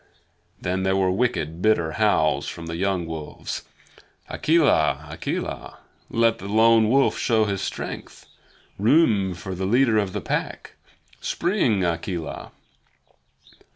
Then there were wicked, bitter howls from the young wolves: "Akela! Akela! Let the Lone Wolf show his strength. Room for the leader of the Pack! Spring, Akela!"